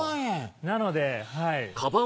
なのではい。